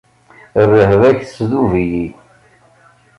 Rrehba-k tesdub-iyi.